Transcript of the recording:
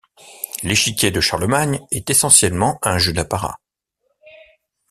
L'échiquier de Charlemagne est essentiellement un jeu d'apparat.